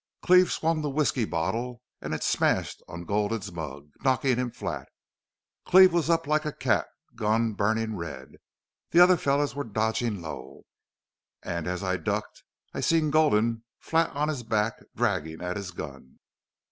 "Cleve swung the whisky bottle an' it smashed on Gulden's mug, knockin' him flat. Cleve was up, like a cat, gun burnin' red. The other fellers were dodgin' low. An' as I ducked I seen Gulden, flat on his back, draggin' at his gun.